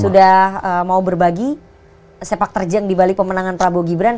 sudah mau berbagi sepak terjang dibalik pemenangan prabowo gibran